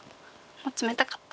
もう冷たかった。